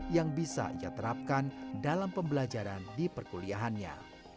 yang bisa diterapkan dalam pembelajaran di perkuliahannya